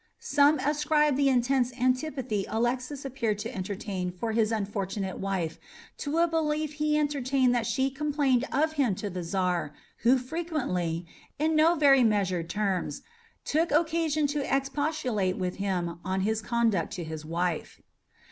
Some ascribe the intense antipathy Alexis appeared to entertain for his unfortunate wife to a belief he entertained that she complained of him to the Czar, who frequently, and in no very measured terms, took occasion to expostulate with him on his conduct to his wife.